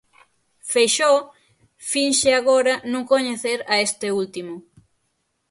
Feixóo finxe agora non coñecer a este último.